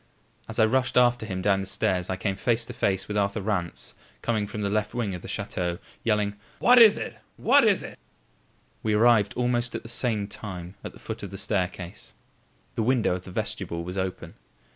As I rushed after him down the stairs, I came face to face with Arthur Rance coming from the left wing of the chateau, yelling: "What is it? What is it?" We arrived almost at the same time at the foot of the staircase. The window of the vestibule was open.